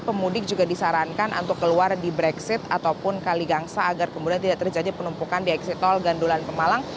pemudik juga disarankan untuk keluar di brexit ataupun kali gangsa agar kemudian tidak terjadi penumpukan di eksit tol gandulan pemalang